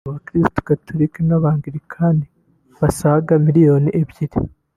Abakristu Gatolika n’Abangilikani basaga miliyoni ebyiri